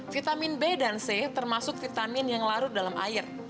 vitamin b dan c termasuk vitamin yang larut dalam air